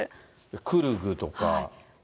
クルグとか。